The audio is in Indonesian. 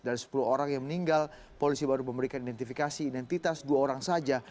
dari sepuluh orang yang meninggal polisi baru memberikan identifikasi identitas dua orang saja